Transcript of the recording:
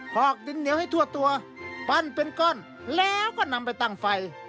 อกดินเหนียวให้ทั่วตัวปั้นเป็นก้อนแล้วก็นำไปตั้งไฟ